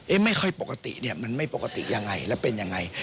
ไม่ค่อยปกติเนี่ยมันไม่ปกติยังไงแล้วเป็นยังไง